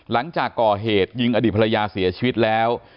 หลังจากก่อเหตุยิงอดีตภรรยาเสียชีวิตแล้ว